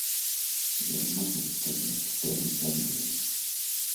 Я магу сказаць, што мы плануем.